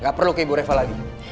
gak perlu ke ibu reva lagi